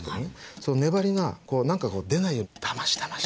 その粘りが何かこう出ないようにだましだまし。